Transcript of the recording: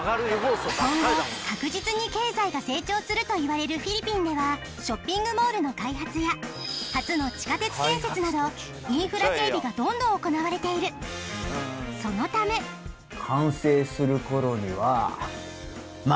今後確実に経済が成長するといわれるフィリピンではショッピングモールの開発や初の地下鉄建設などインフラ整備がどんどん行われているそのためってわけ。